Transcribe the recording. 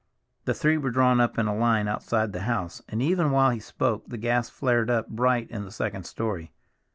The three were drawn up in a line outside the house, and even while he spoke the gas flared up bright in the second story.